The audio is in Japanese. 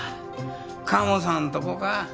カモさんとこか。